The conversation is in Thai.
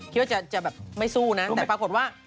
คิดว่าจะแบบไม่สู้นะแต่ปรากฏว่า